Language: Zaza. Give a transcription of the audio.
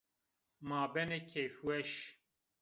Ma benê keyfweş